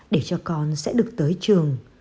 để cho con sẽ được tới trường